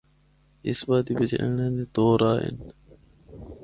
اس وادی بچ اینڑا دے دو راہ ہن۔